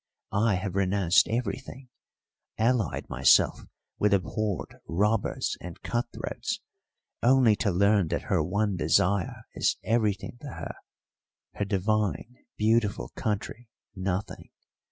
I have renounced everything, allied myself with abhorred robbers and cut throats, only to learn that her one desire is everything to her, her divine, beautiful country nothing.